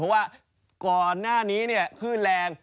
เพราะว่าก่อนหน้านี้คลื่นแรง